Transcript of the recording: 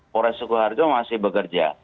polres sekuharjo masih bekerja